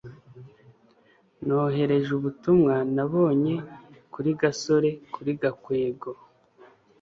nohereje ubutumwa nabonye kuri gasore kuri gakwego